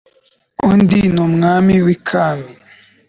undi ni umwami w i kami